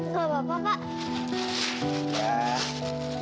sama bapak pak